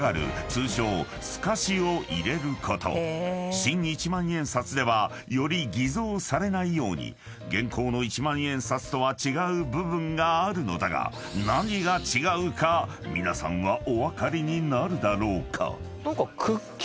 ［新一万円札ではより偽造されないように現行の一万円札とは違う部分があるのだが何が違うか皆さんはお分かりになるだろうか？］